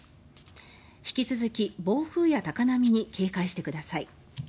引き続き暴風や高波に警戒してください。